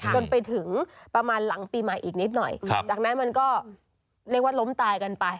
จนไปถึงประมาณหลังปีใหม่อีกนิดหน่อยจากนั้นมันก็เรียกว่าล้มตายกันไป